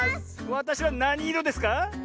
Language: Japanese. わたしはなにいろですか？